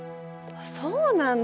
そうなんだ。